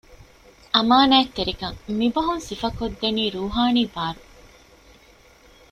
އަމާނާތްތެރިކަން މި ބަހުން ސިފަކޮށް ދެނީ ރޫޙާނީ ބާރު